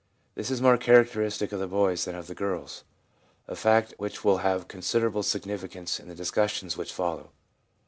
This is more charac teristic of the boys than of the girls, a fact which will have considerable significance in the discussions which follow.